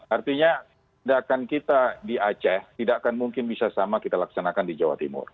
artinya tindakan kita di aceh tidak akan mungkin bisa sama kita laksanakan di jawa timur